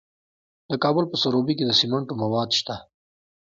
د کابل په سروبي کې د سمنټو مواد شته.